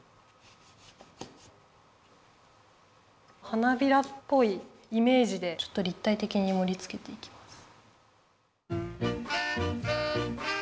花びらっぽいイメージでちょっとりったいてきにもりつけていきます。